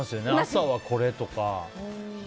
朝はこれとか。